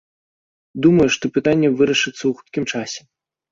Думаю, што пытанне вырашыцца ў хуткім часе.